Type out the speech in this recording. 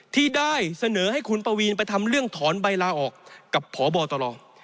ที่ได้เสนอให้คุณปวีนไปทำเรื่องถอนใบลาออกกับพบตร